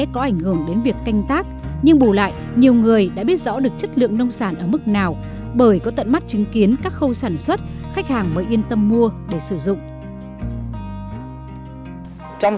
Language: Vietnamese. có ảnh hưởng đến việc canh tác nhưng bù lại nhiều người đã biết rõ được chất lượng nông sản ở mức nào bởi có tận mắt chứng kiến các khâu sản xuất khách hàng mới yên tâm mua để sử dụng